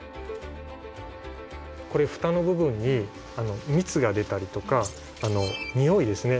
これふたの部分に蜜が出たりとか匂いですね